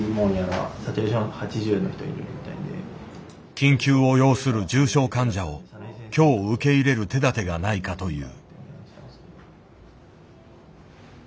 緊急を要する重症患者を今日受け入れる手だてがないかという。